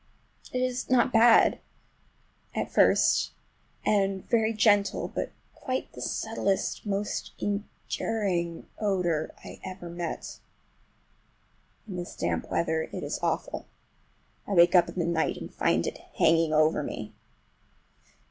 It is not bad—at first, and very gentle, but quite the subtlest, most enduring odor I ever met. In this damp weather it is awful. I wake up in the night and find it hanging over me.